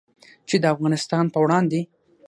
چې د افغانستان په وړاندې